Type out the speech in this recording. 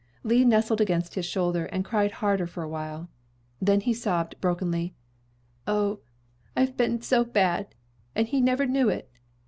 Lee nestled against his shoulder, and cried harder for awhile. Then he sobbed brokenly: "O, I've been so bad, and he never knew it!